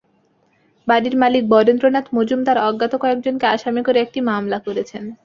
বাড়ির মালিক বরেন্দ্র নাথ মজুমদার অজ্ঞাত কয়েকজনকে আসামি করে একটি মামলা করেছেন।